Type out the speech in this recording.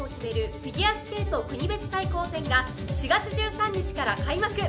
フィギュアスケート国別対抗戦が４月１３日から開幕。